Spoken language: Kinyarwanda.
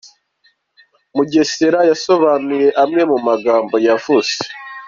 Mugesera yasobanuye amwe mu magambo yavuze.